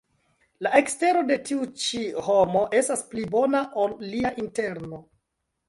La ekstero de tiu ĉi homo estas pli bona, ol lia interno.